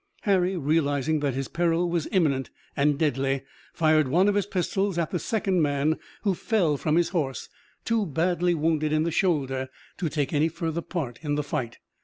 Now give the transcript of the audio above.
Harry, realizing that his peril was imminent and deadly, fired one of his pistols at the second man, who fell from his horse, too badly wounded in the shoulder to take any further part in the fight.